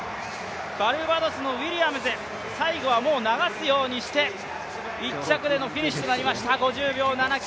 バルバドスのウィリアムズ最後は流すようにして１着でのフィニッシュとなりました５０秒７９。